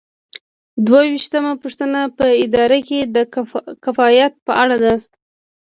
دوه ویشتمه پوښتنه په اداره کې د کفایت په اړه ده.